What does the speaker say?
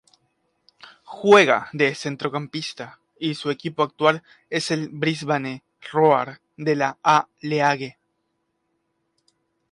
Juega de centrocampista y su equipo actual es el Brisbane Roar de la A-League.